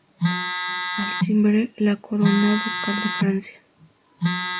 Al timbre la corona ducal de Francia.